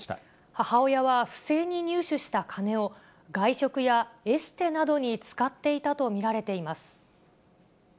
母親は不正に入手した金を、外食やエステなどに使っていたと見られています。